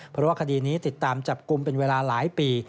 เพราะว่าคดีนี้ติดตามจับกลุ่มเป็นเวลาหลายปี